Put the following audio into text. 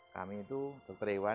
kami itu dokter iwan